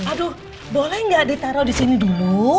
aduh boleh gak ditaruh disini dulu